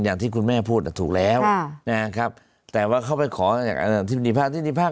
อย่างที่คุณแม่พูดอ่ะถูกแล้วนะครับแต่ว่าเขาไปขออาจารย์ธิบดีภาค